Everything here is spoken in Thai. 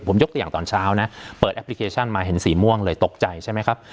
ผมยกตัวอย่างตอนเช้านะเปิดแอปพลิเคชันมาเห็นสีม่วงเลยตกใจใช่ไหมครับ